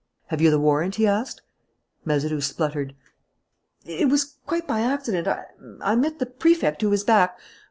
"Have you the warrant?" he asked. Mazeroux spluttered: "It was quite by accident. I met the Prefect, who was back.